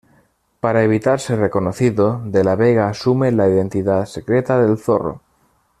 Para evitar ser reconocido, De La Vega asume la identidad secreta del Zorro.